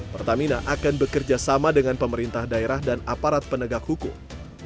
pertamina akan bekerja sama dengan pemerintah daerah dan aparat penegak hukum